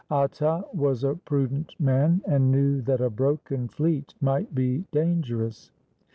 Atta was a prudent man and knew that a broken fleet might be dangerous.